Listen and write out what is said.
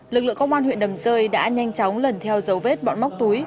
lực lượng công an huyện đầm rơi đã nhanh chóng lần theo dấu vết bọn móc túi